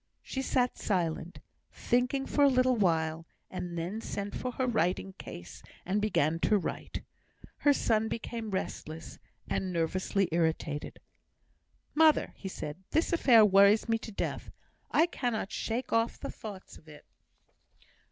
She sat silent, thinking for a little while, and then sent for her writing case, and began to write. Her son became restless, and nervously irritated. "Mother," he said, "this affair worries me to death. I cannot shake off the thoughts of it."